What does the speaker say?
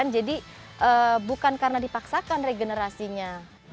jadi bukan karena dipaksakan regenerasinya